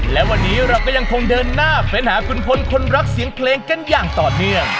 และวันนี้เราก็ยังคงเดินหน้าเฟ้นหาขุนพลคนรักเสียงเพลงกันอย่างต่อเนื่อง